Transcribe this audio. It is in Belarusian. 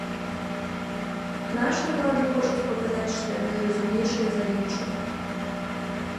А нашы ўлады хочуць паказаць, што яны разумнейшыя за іншых.